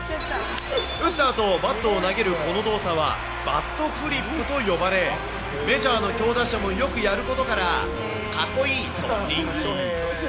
打ったあと、バットを投げるこの動作は、バットフリップと呼ばれ、メジャーの強打者もよくやることから、かっこいいと人気。